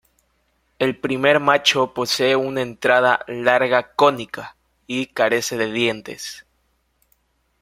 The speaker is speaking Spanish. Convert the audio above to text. El primer macho posee una entrada larga cónica y carece de dientes.